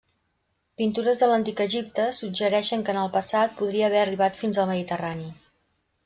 Pintures de l'Antic Egipte suggereixen que en el passat podria haver arribat fins al Mediterrani.